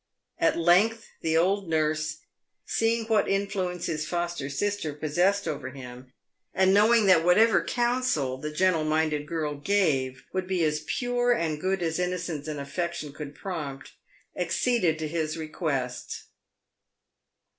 At length the old nurse, seeing what influence his foster sister possessed over him, and know ing that whatever counsel the gentle minded girl gave would be as pure and good as innocence and affection could prompt, acceded to his request.